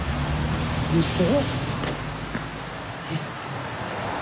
うそ？